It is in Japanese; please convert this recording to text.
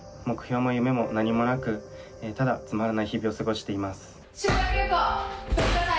目標も夢も何もなくただつまらない日々を過ごしています。